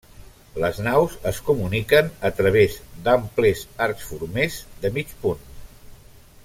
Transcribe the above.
Les naus es comuniquen a través d'amples arcs formers de mig punt.